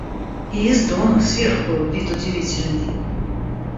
И из дома, сверху, вид удивительный.